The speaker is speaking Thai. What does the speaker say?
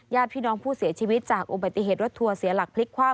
ญาติพี่น้องผู้เสียชีวิตจากอุบัติเหตุรถทัวร์เสียหลักพลิกคว่ำ